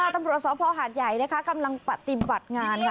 ตำรวจสภหาดใหญ่นะคะกำลังปฏิบัติงานค่ะ